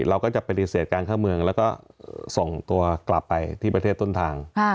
เราก็จะปฏิเสธการเข้าเมืองแล้วก็ส่งตัวกลับไปที่ประเทศต้นทาง